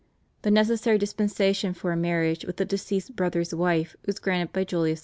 The necessary dispensation for a marriage with a deceased brother's wife was granted by Julius II.